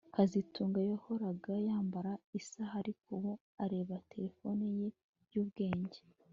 kazitunga yahoraga yambara isaha ariko ubu areba terefone ye yubwenge